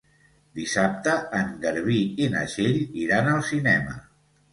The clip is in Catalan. Dissabte en Garbí i na Txell iran al cinema.